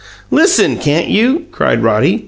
"Listen, can't you?" cried Roddy.